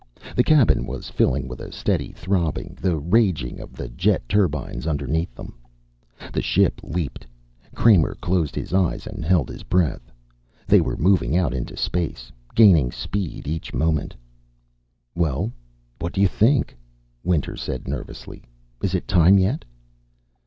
The cabin was filling with a steady throbbing, the raging of the jet turbines underneath them. The ship leaped. Kramer closed his eyes and held his breath. They were moving out into space, gaining speed each moment. "Well, what do you think?" Winter said nervously. "Is it time yet?"